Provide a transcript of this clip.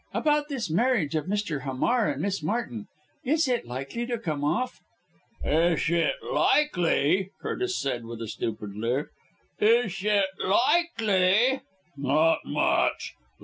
About this marriage of Mr. Hamar and Miss Martin is it likely to come off?" "Ish it likely!" Curtis said with a stupid leer. "Ish it likely! Not much.